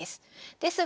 ですが